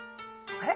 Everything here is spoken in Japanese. あれ？